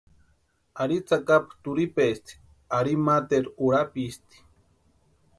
Ari tsakapu turhipesti ari materu urapisti.